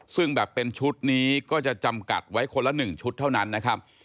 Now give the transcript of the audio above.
ซึ่งแบบเป็นชุดนี้ก็จะจำกัดไว้คนละ๑ชุดเท่านั้นนะครับ